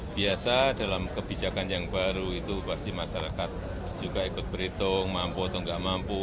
biasa dalam kebijakan yang baru itu pasti masyarakat juga ikut berhitung mampu atau nggak mampu